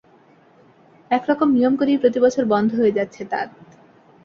এক রকম নিয়ম করেই প্রতিবছর বন্ধ হয়ে যাচ্ছে তাঁত।